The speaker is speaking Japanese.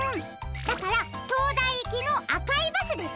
だからとうだいいきのあかいバスですね！